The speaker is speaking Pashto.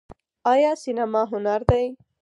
آیا سینما هنر دی؟